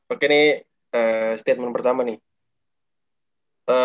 oke ini statement pertama nih